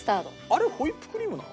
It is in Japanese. あれホイップクリームなの？